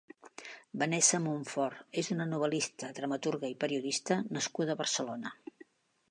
Vanessa Montfort és una novel·lista, dramaturga i periodista nascuda a Barcelona.